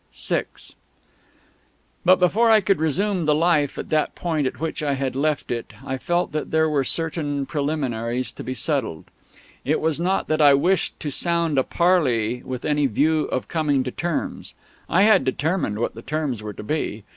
VI But before I could resume the "Life" at the point at which I had left it, I felt that there were certain preliminaries to be settled. It was not that I wished to sound a parley with any view of coming to terms; I had determined what the terms were to be.